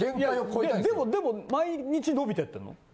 いやでもでも毎日伸びてってるの？